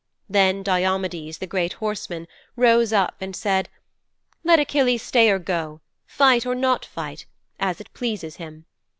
Then Diomedes, the great horseman, rose up and said, "Let Achilles stay or go, fight or not fight, as it pleases him.